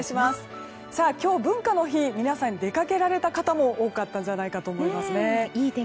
今日、文化の日皆さん出かけられた方も多かったんじゃないかと思いますね。